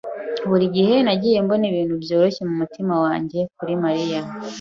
Buri gihe nagiye mbona ibintu byoroshye mumutima wanjye kuri Mariya.